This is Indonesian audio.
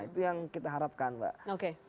itu yang kita harapkan pak